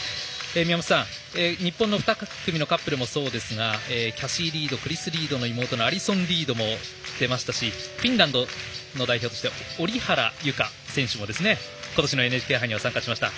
宮本さん、日本の２組のカップルもそうですがキャシー・リードクリス・リードの妹アリソン・リードも出ましたしフィンランドの代表として折原裕香選手も今年のＮＨＫ杯は参加しました。